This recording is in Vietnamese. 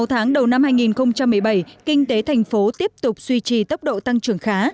sáu tháng đầu năm hai nghìn một mươi bảy kinh tế thành phố tiếp tục duy trì tốc độ tăng trưởng khá